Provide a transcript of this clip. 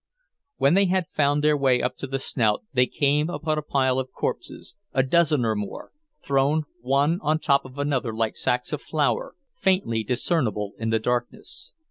When they had found their way up to the Snout they came upon a pile of corpses, a dozen or more, thrown one on top of another like sacks of flour, faintly discernible in the darkness.